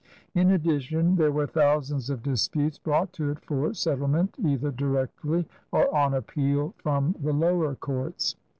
In addition there were thousands of disputes brought to it for settlement either directly or on appeal from the lower courts.